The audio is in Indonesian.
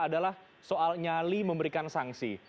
adalah soal nyali memberikan sanksi